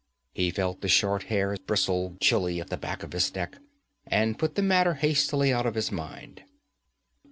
He felt the short hair bristle chilly at the back of his neck and put the matter hastily out of his mind.